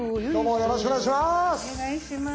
よろしくお願いします。